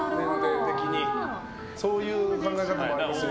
そういう考え方もありますね。